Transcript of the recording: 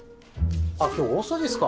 あっ今日大掃除ですか？